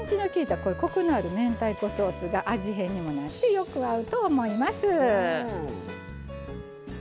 こういうコクのある明太子ソースが味変にもなってよく合うと思います。